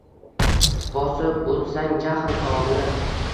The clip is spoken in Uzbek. Bosib utsang jaxl togini